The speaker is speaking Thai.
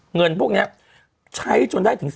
เงินพวกนี้ใช้จนได้ถึง